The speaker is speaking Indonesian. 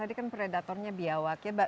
tadi kan predatornya biawak ya